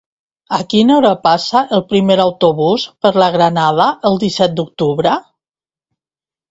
A quina hora passa el primer autobús per la Granada el disset d'octubre?